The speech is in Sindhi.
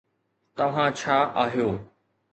توهان ڇا آهيو؟